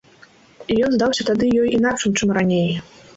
І ён здаўся тады ёй інакшым, чым раней.